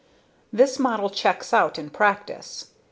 This model checks out in practice.